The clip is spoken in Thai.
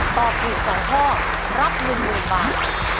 ตอบถูก๒ข้อรับ๑๐๐๐บาท